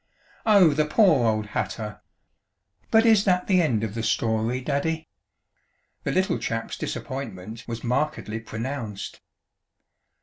"Oh, the poor old hatter! But is that the end of the story, Daddy?" The Little Chap's disappointment was markedly pronounced.